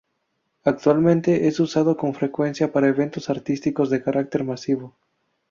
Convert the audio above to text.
Actualmente es usado con frecuencia para eventos artísticos de carácter masivo.